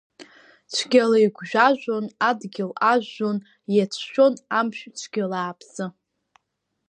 Цәгьала игәжәажәон, адгьыл ажәжәон иацәшәон амшә цәгьала аԥсы!